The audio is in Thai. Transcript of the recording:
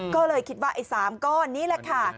ก็เลยคิดว่าไอ้๓ก้อนนี้แหละค่ะ